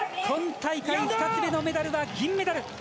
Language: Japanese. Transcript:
今大会２つ目のメダルは銀メダル。